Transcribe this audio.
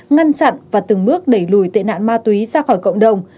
ngăn chặn và từng bước đẩy lùi tên hạn ma túy ra khỏi cộng đồng